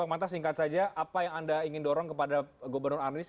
manta singkat saja apa yang anda ingin dorong kepada gubernur arnis